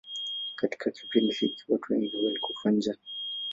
Katika kipindi hiki watu wengi walikufa njaa.